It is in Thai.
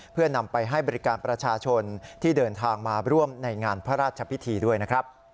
เพื่อนำไปให้บริการประชาชนที่เดินทางมาร่วมในงานพระราชพิธีด้วยนะครับ